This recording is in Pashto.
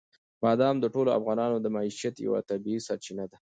بادام د ټولو افغانانو د معیشت یوه طبیعي سرچینه ده.